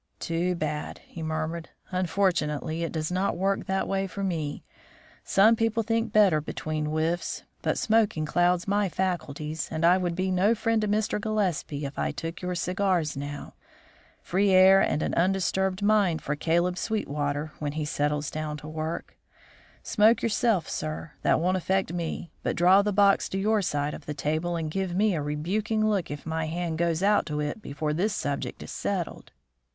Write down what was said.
"Too bad," he murmured; "unfortunately, it does not work that way with me. Some people think better between whiffs, but smoking clouds my faculties, and I would be no friend to Mr. Gillespie if I took your cigars now. Free air and an undisturbed mind for Caleb Sweetwater when he settles down to work. Smoke yourself, sir; that won't affect me; but draw the box to your side of the table and give me a rebuking look if my hand goes out to it before this subject is settled."